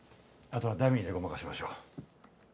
後はダミーでごまかしましょう。